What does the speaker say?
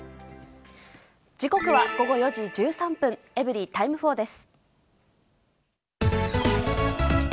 時刻は午後４時１３分、エブリィタイム４です。